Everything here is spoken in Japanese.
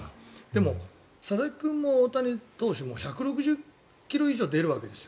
でも佐々木君も大谷投手も１６０ｋｍ以上出るわけです。